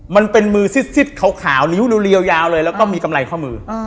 มันเป็นมือซิดขาวนิ้วเรียวยาวเลยแล้วก็มีกำไรข้อมือ